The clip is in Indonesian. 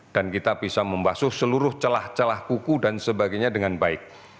dan kita bisa membasuh seluruh celah celah kuku dan sebagainya dengan baik